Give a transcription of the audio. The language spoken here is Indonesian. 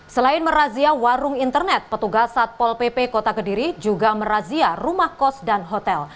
selain merazia warung internet petugas satpol pp kota kediri juga merazia rumah kos dan hotel